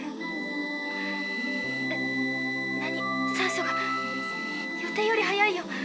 酸素が⁉予定より早いよ。